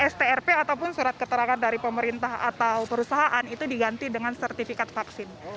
strp ataupun surat keterangan dari pemerintah atau perusahaan itu diganti dengan sertifikat vaksin